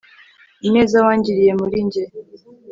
ineza wangiriye muri njye